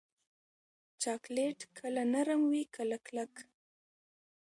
چاکلېټ کله نرم وي، کله کلک.